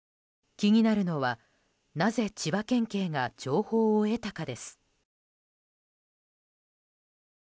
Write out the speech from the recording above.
気になるのは、なぜ千葉県警が情報を得たかです。